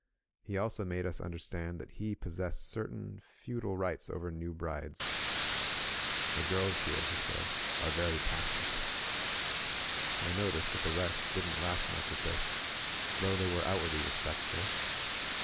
He also made us understand that he possessed certain feudal rights over new brides. "The girls, here," he said, "are very passionate. ..." I noticed that the rest didn't laugh much at this, though they were outwardly respectful.